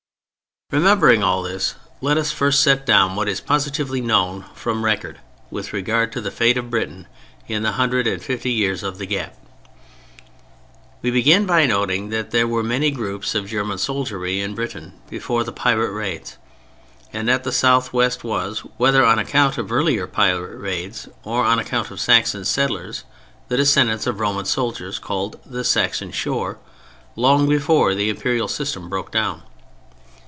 ] Remembering all this, let us first set down what is positively known from record with regard to the fate of Britain in the hundred and fifty years of "the gap." We begin by noting that there were many groups of German soldiery in Britain before the Pirate raids and that the southwest was—whether on account of earlier pirate raids or on account of Saxon settlers the descendants of Roman soldiers—called "the Saxon shore" long before the Imperial system broke down.